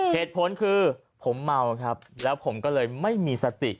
เหตุผลคือผมเมาครับแล้วผมก็เลยไม่มีสติ